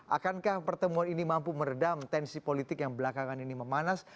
akankah pertemuan ini mampu meredam tensi politik yang belakangan ini memanas